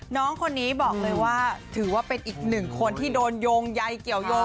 น้องคนนี้บอกเลยว่าถือว่าเป็นอีกหนึ่งคนที่โดนโยงใยเกี่ยวยง